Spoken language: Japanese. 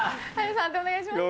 判定お願いします。